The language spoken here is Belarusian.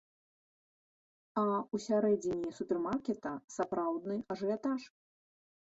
А ўсярэдзіне супермаркета сапраўдны ажыятаж.